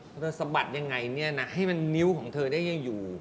เธอสะบัดยังไงเนี่ยนะให้มันนิ้วของเธอได้ยังอยู่